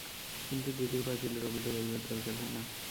কিন্তু দিদির পাচিলের ওপিঠে যাইবার দরকার হয় না।